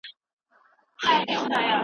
ټولنیز نظم د قانون په واسطه راځي.